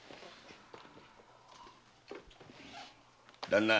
旦那。